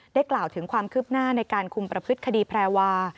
กล่าวถึงความคืบหน้าในการคุมประพฤติคดีแพรวา